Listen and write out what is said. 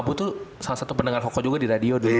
aku tuh salah satu pendengar hoko juga di radio dulu